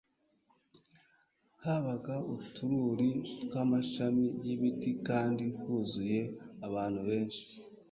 habaga utururi tw'amashami y'ibiti kandi huzuye abantu benshi.